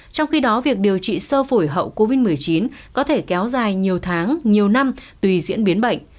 trong khi đó việc điều trị sơ phổi hậu covid một mươi chín có thể kéo dài nhiều tháng nhiều năm tùy diễn biến bệnh